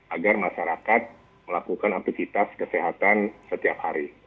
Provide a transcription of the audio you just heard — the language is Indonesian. agar masyarakat melakukan aktivitas kesehatan setiap hari